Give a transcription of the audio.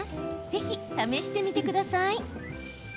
ぜひ試してみてください。